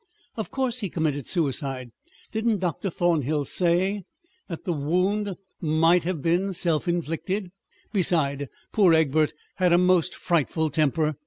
"Of course he committed suicide. Didn't Dr. Thornhill say that the wound might have been self inflicted? Besides, poor Egbert had a most frightful temper."